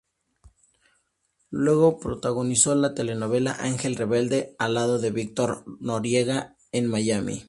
Luego protagonizó la telenovela "Ángel rebelde" al lado de Victor Noriega en Miami.